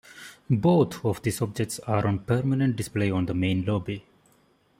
Both of these objects are on permanent display in the main lobby.